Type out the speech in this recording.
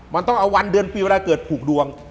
มันต้องเอาวันเดือนปีเวลาเกิดผูกดวง